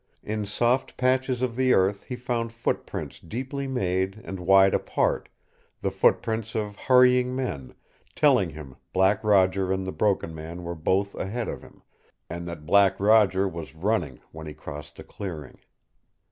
In soft patches of the earth he found footprints deeply made and wide apart, the footprints of hurrying men, telling him Black Roger and the Broken Man were both ahead of him, and that Black Roger was running when he crossed the clearing.